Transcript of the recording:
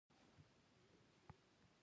هغې د سپین شپه په اړه خوږه موسکا هم وکړه.